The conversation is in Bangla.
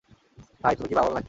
ভাই, তুমি কি পাগল নাকি?